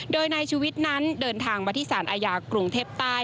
โดยนายชุวิตนั้นเดินทางมาที่สารอาญากรุงเทพใต้